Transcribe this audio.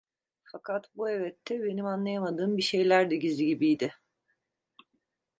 Fakat bu evette benim anlayamadığım bir şeyler de gizli gibiydi.